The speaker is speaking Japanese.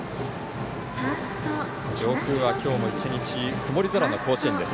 上空はきょうも一日曇り空の甲子園です。